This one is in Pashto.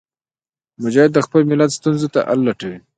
مجاهد د خپل ملت ستونزو ته حل لټوي.